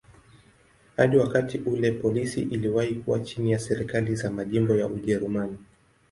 Hadi wakati ule polisi iliwahi kuwa chini ya serikali za majimbo ya Ujerumani.